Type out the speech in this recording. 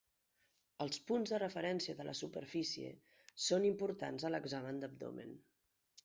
Els punts de referència de la superfície són importants a l'examen d'abdomen.